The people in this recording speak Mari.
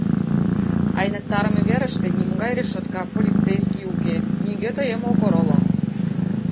Айныктарыме верыште нимогай решотка, полицейский уке, нигӧ тыйым ок ороло.